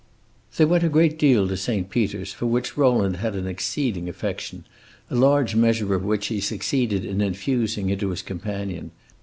They went a great deal to Saint Peter's, for which Rowland had an exceeding affection, a large measure of which he succeeded in infusing into his companion.